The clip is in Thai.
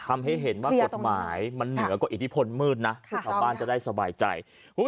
ทำให้เห็นว่ากฎหมายมันเหนือกว่าอิทธิพลมืดนะชาวบ้านจะได้สบายใจ